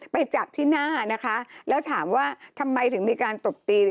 ไปจับที่หน้านะคะแล้วถามว่าทำไมถึงมีการตบตี